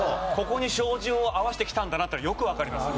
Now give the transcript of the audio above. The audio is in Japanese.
ここに照準を合わせてきたんだなってよくわかります。